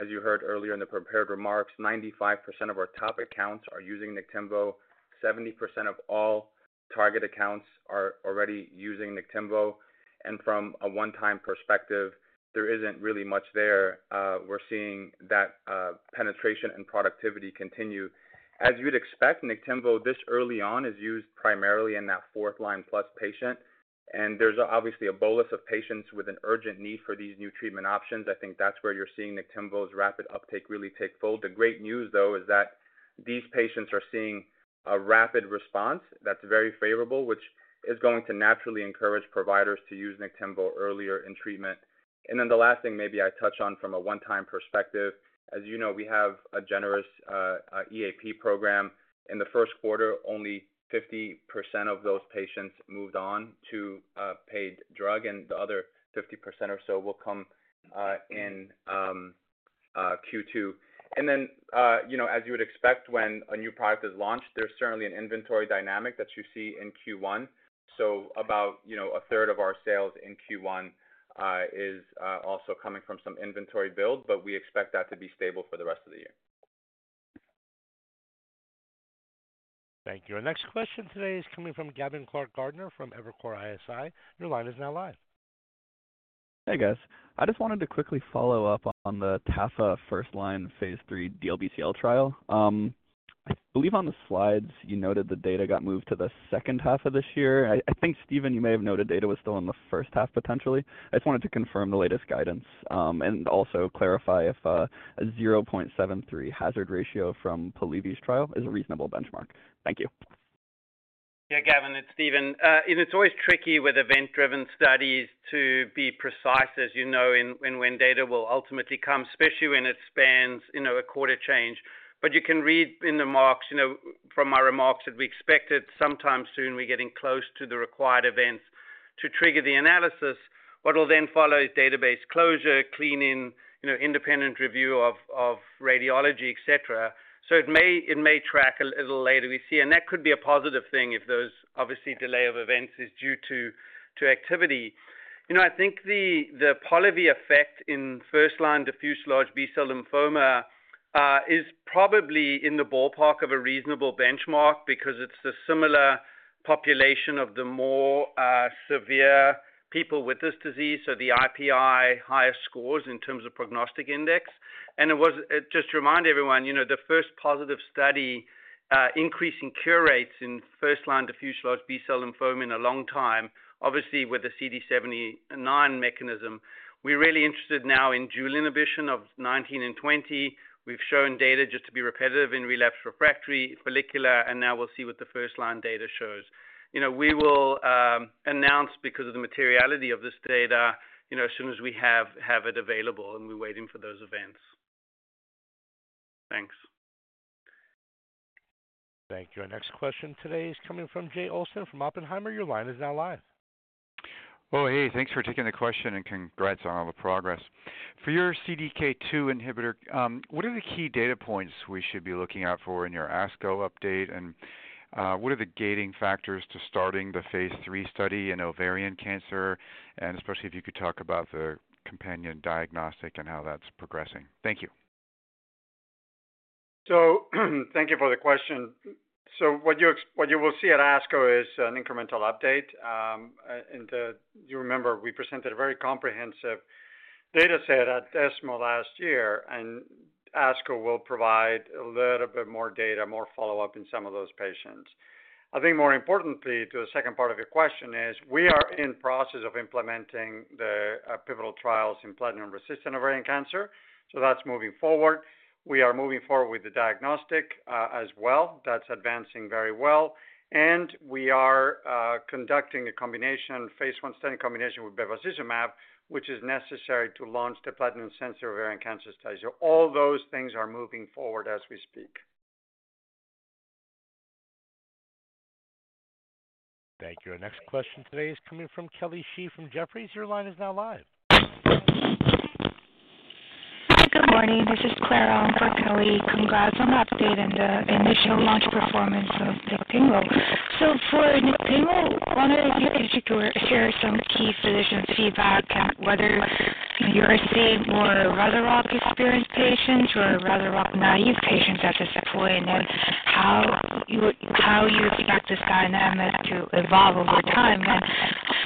As you heard earlier in the prepared remarks, 95% of our top accounts are using Niktimvo. 70% of all target accounts are already using Niktimvo. From a one-time perspective, there isn't really much there. We're seeing that penetration and productivity continue. As you'd expect, Niktimvo this early on is used primarily in that fourth line plus patient. There's obviously a bolus of patients with an urgent need for these new treatment options. I think that's where you're seeing Niktimvo's rapid uptake really take hold. The great news, though, is that these patients are seeing a rapid response that's very favorable, which is going to naturally encourage providers to use Niktimvo earlier in treatment. The last thing maybe I touch on from a one-time perspective. As you know, we have a generous EAP program. In the Q1, only 50% of those patients moved on to paid drug, and the other 50% or so will come in Q2. As you would expect, when a new product is launched, there's certainly an inventory dynamic that you see in Q1. About a third of our sales in Q1 is also coming from some inventory build, but we expect that to be stable for the rest of the year. Thank you. Our next question today is coming from Gavin Clark-Gartner from Evercore ISI. Your line is now live. Hey, guys. I just wanted to quickly follow up on the Tafasitamab first line phase three DLBCL trial. I believe on the slides you noted the data got moved to the second half of this year. I think, Steven, you may have noted data was still in the first half potentially. I just wanted to confirm the latest guidance and also clarify if a 0.73 hazard ratio from Polivy's trial is a reasonable benchmark. Thank you. Yeah, Gavin, it's Steven. It's always tricky with event-driven studies to be precise, as you know, when data will ultimately come, especially when it spans a quarter change. You can read in the marks from my remarks that we expect it sometime soon. We're getting close to the required events to trigger the analysis. What will then follow is database closure, cleaning, independent review of radiology, etc. It may track a little later. We see, and that could be a positive thing if those, obviously, delay of events is due to activity. I think the Polivy effect in first line diffuse large B-cell lymphoma is probably in the ballpark of a reasonable benchmark because it's the similar population of the more severe people with this disease, so the IPI higher scores in terms of prognostic index. Just to remind everyone, the first positive study increasing cure rates in first line diffuse large B-cell lymphoma in a long time, obviously with the CD79 mechanism. We're really interested now in dual inhibition of 19 and 20. We've shown data just to be repetitive in relapse refractory, follicular, and now we'll see what the first line data shows. We will announce because of the materiality of this data as soon as we have it available, and we're waiting for those events. Thanks. Thank you. Our next question today is coming from Jay Olson from Oppenheimer. Your line is now live. Hey, thanks for taking the question and congrats on all the progress. For your CDK2 inhibitor, what are the key data points we should be looking out for in your ASCO update? What are the gating factors to starting the phase three study in ovarian cancer? Especially if you could talk about the companion diagnostic and how that's progressing. Thank you. Thank you for the question. What you will see at ASCO is an incremental update. You remember we presented a very comprehensive data set at ESMO last year, and ASCO will provide a little bit more data, more follow-up in some of those patients. I think more importantly, to the second part of your question, we are in process of implementing the pivotal trials in platinum-resistant ovarian cancer. That is moving forward. We are moving forward with the diagnostic as well. That is advancing very well. We are conducting a combination phase one study in combination with bevacizumab, which is necessary to launch the platinum-sensitive ovarian cancer study. All those things are moving forward as we speak. Thank you. Our next question today is coming from Kelly Shi from Jefferies. Your line is now live. Hi, good morning. This is Clara from Kelly. Congrats on the update and the initial launch performance of Niktimvo. For Niktimvo, I wanted to hear some key physician feedback, whether you're seeing more rough-rough experienced patients or rough-rough naive patients at this point, and how you expect this dynamic to evolve over time.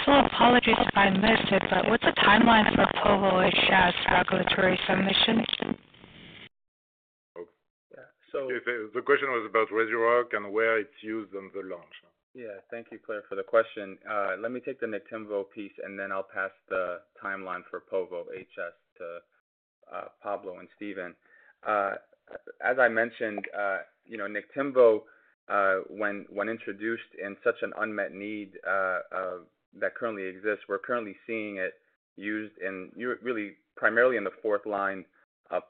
Full apologies if I missed it, but what's the timeline for Povorcitinib regulatory submissions? Yeah. The question was about ruxolitinib and where it's used on the launch. Yeah. Thank you, Clara, for the question. Let me take the Niktimvo piece, and then I'll pass the timeline for Povorcitinib to Pablo and Steven. As I mentioned, Niktimvo, when introduced in such an unmet need that currently exists, we're currently seeing it used really primarily in the fourth line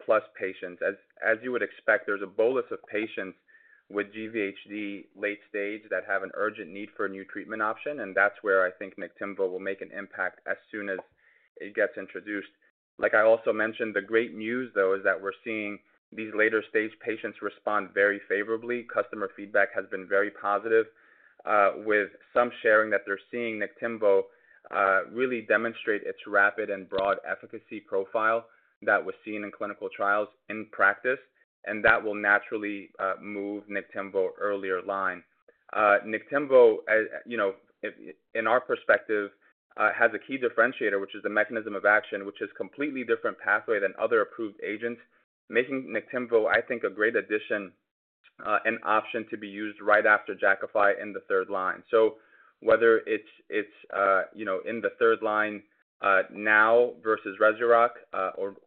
plus patients. As you would expect, there's a bolus of patients with chronic GVHD late stage that have an urgent need for a new treatment option. That's where I think Niktimvo will make an impact as soon as it gets introduced. Like I also mentioned, the great news, though, is that we're seeing these later stage patients respond very favorably. Customer feedback has been very positive, with some sharing that they're seeing Niktimvo really demonstrate its rapid and broad efficacy profile that was seen in clinical trials in practice. That will naturally move Niktimvo earlier line. Timbo, in our perspective, has a key differentiator, which is the mechanism of action, which is a completely different pathway than other approved agents, making Niktimvo, I think, a great addition and option to be used right after Jakafi in the third line. Whether it is in the third line now versus rough-rough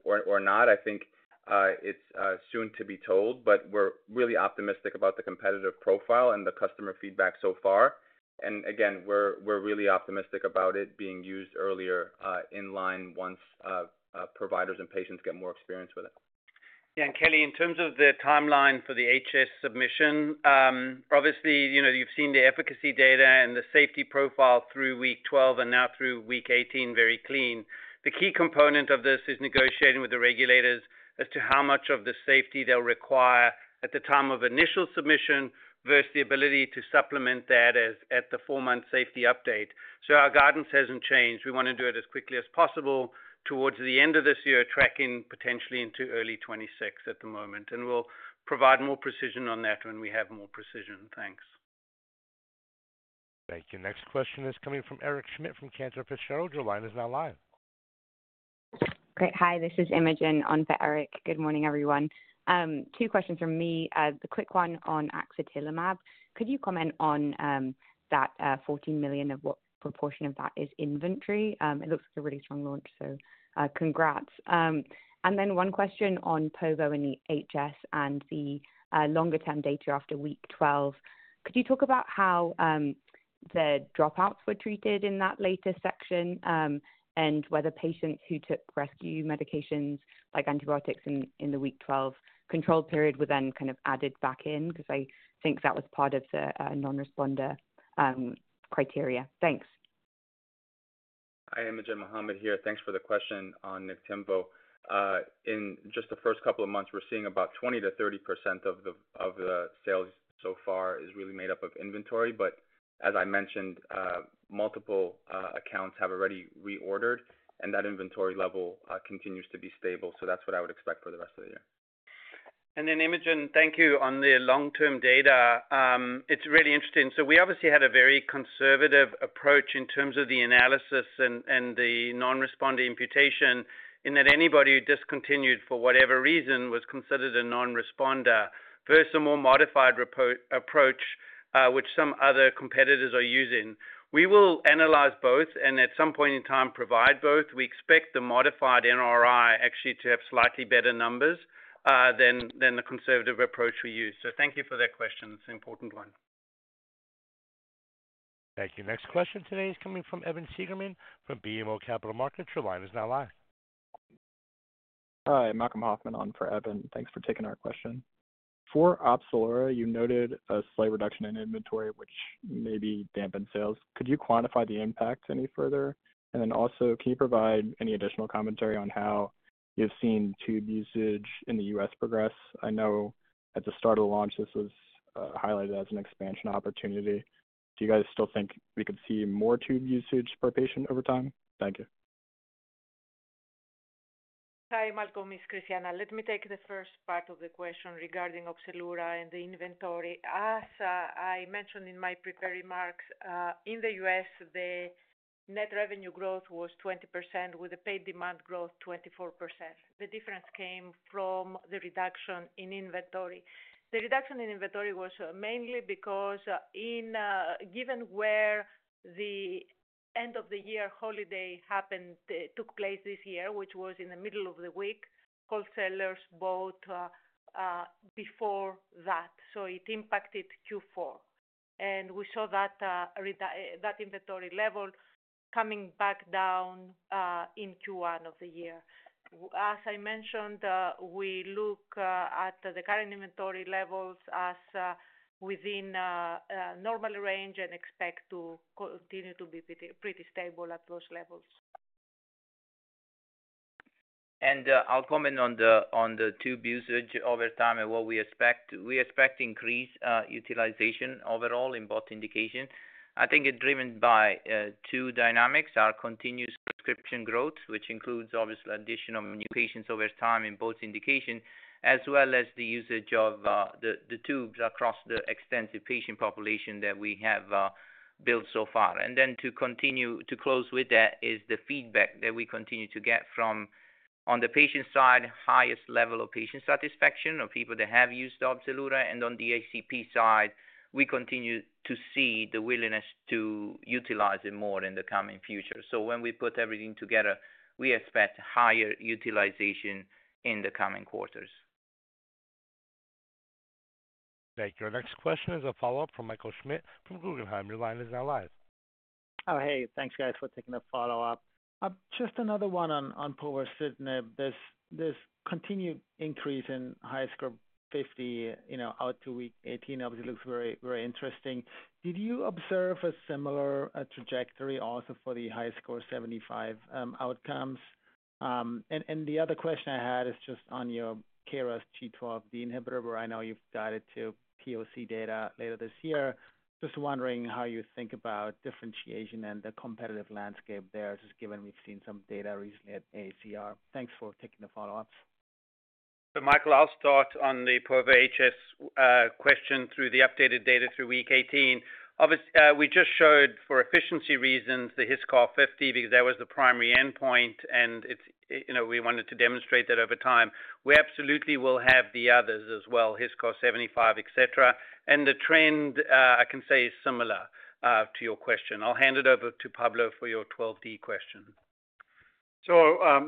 or not, I think it is soon to be told. We are really optimistic about the competitive profile and the customer feedback so far. Again, we are really optimistic about it being used earlier in line once providers and patients get more experience with it. Yeah. Kelly, in terms of the timeline for the HS submission, obviously, you've seen the efficacy data and the safety profile through week 12 and now through week 18 very clean. The key component of this is negotiating with the regulators as to how much of the safety they'll require at the time of initial submission versus the ability to supplement that at the four-month safety update. Our guidance hasn't changed. We want to do it as quickly as possible towards the end of this year, tracking potentially into early 2026 at the moment. We'll provide more precision on that when we have more precision. Thanks. Thank you. Next question is coming from Eric Schmidt from Cantor Fitzgerald. Your line is now live. Great. Hi, this is Imogen on for Eric. Good morning, everyone. Two questions from me. The quick one on Axatilimab. Could you comment on that $14 million of what proportion of that is inventory? It looks like a really strong launch, so congrats. One question on Povo and the HS and the longer-term data after week 12. Could you talk about how the dropouts were treated in that later section and whether patients who took rescue medications like antibiotics in the week 12 control period were then kind of added back in? I think that was part of the non-responder criteria. Thanks. Hi, Imogen Mohammed here. Thanks for the question on Niktimvo. In just the first couple of months, we're seeing about 20%-30% of the sales so far is really made up of inventory. As I mentioned, multiple accounts have already reordered, and that inventory level continues to be stable. That is what I would expect for the rest of the year. Imogen, thank you on the long-term data. It's really interesting. We obviously had a very conservative approach in terms of the analysis and the non-responding imputation in that anybody who discontinued for whatever reason was considered a non-responder versus a more modified approach, which some other competitors are using. We will analyze both and at some point in time provide both. We expect the modified NRI actually to have slightly better numbers than the conservative approach we used. Thank you for that question. It's an important one. Thank you. Next question today is coming from Evan Seigerman from BMO Capital Markets. Your line is now live. Hi, Malcolm Hoffman on for Evan. Thanks for taking our question. For Opzelura, you noted a slight reduction in inventory, which maybe dampened sales. Could you quantify the impact any further? Could you provide any additional commentary on how you've seen tube usage in the US progress? I know at the start of the launch, this was highlighted as an expansion opportunity. Do you guys still think we could see more tube usage per patient over time? Thank you. Hi, Malcolm, it's Christiana. Let me take the first part of the question regarding Opzelura and the inventory. As I mentioned in my prepared remarks, in the U.S., the net revenue growth was 20% with the paid demand growth 24%. The difference came from the reduction in inventory. The reduction in inventory was mainly because given where the end-of-the-year holiday took place this year, which was in the middle of the week, wholesalers bought before that. It impacted Q4. We saw that inventory level coming back down in Q1 of the year. As I mentioned, we look at the current inventory levels as within a normal range and expect to continue to be pretty stable at those levels. I'll comment on the tube usage over time and what we expect. We expect increased utilization overall in both indications. I think it's driven by two dynamics: our continuous prescription growth, which includes obviously additional new patients over time in both indications, as well as the usage of the tubes across the extensive patient population that we have built so far. To close with that is the feedback that we continue to get from, on the patient side, highest level of patient satisfaction of people that have used Opzelura. On the ACP side, we continue to see the willingness to utilize it more in the coming future. When we put everything together, we expect higher utilization in the coming quarters. Thank you. Our next question is a follow-up from Michael Schmidt from Guggenheim. Your line is now live. Oh, hey. Thanks, guys, for taking the follow-up. Just another one on Povorcitinib. This continued increase in HiSCR50 out to week 18 obviously looks very interesting. Did you observe a similar trajectory also for the HiSCR75 outcomes? The other question I had is just on your KRAS G12D inhibitor, where I know you've guided to POC data later this year. Just wondering how you think about differentiation and the competitive landscape there, just given we've seen some data recently at AACR. Thanks for taking the follow-ups. Michael, I'll start on the Povorcitinib question through the updated data through week 18. Obviously, we just showed for efficiency reasons the Hisco 50 because that was the primary endpoint. We wanted to demonstrate that over time. We absolutely will have the others as well, Hisco 75, etc. The trend, I can say, is similar to your question. I'll hand it over to Pablo for your 12D question.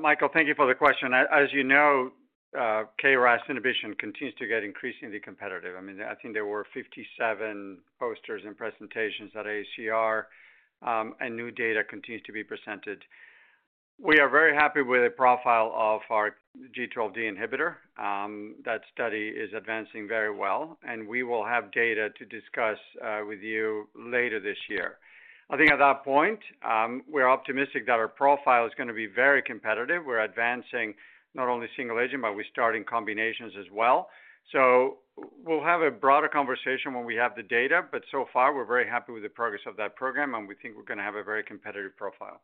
Michael, thank you for the question. As you know, KRAS inhibition continues to get increasingly competitive. I mean, I think there were 57 posters and presentations at AACR, and new data continues to be presented. We are very happy with the profile of our G12D inhibitor. That study is advancing very well. We will have data to discuss with you later this year. I think at that point, we're optimistic that our profile is going to be very competitive. We're advancing not only single agent, but we're starting combinations as well. We will have a broader conversation when we have the data. So far, we're very happy with the progress of that program, and we think we're going to have a very competitive profile.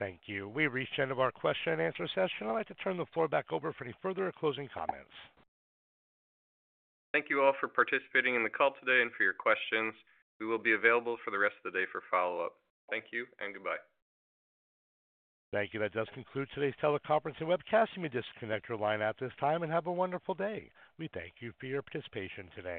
Thank you. We've reached the end of our question-and-answer session. I'd like to turn the floor back over for any further closing comments. Thank you all for participating in the call today and for your questions. We will be available for the rest of the day for follow-up. Thank you and goodbye. Thank you. That does conclude today's teleconference and webcast. You may disconnect your line at this time and have a wonderful day. We thank you for your participation today.